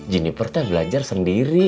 jeniper tuh belajar sendiri